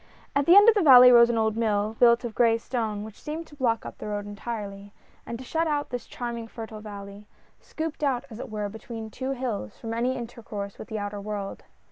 At the end of the valley rose an old mill, built of gray stone, which seemed to block up the road entirely, and to shut out this charming fertile valley — scooped GOING TO MARKET. 47 out, as it were, between two hills — from any inter course with the outer world.